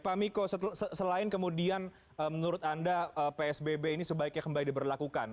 pak miko selain kemudian menurut anda psbb ini sebaiknya kembali diberlakukan